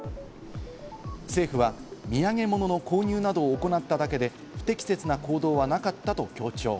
政府は土産物の購入などを行っただけで、不適切な行動はなかったと強調。